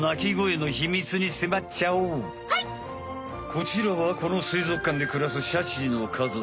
こちらはこのすいぞくかんでくらすシャチの家族。